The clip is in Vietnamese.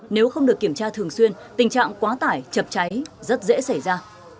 nếu không được kiểm tra thường xuyên tình trạng quá tải chập cháy rất dễ xảy ra